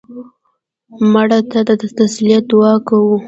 مړه ته د تسلیت دعا کوو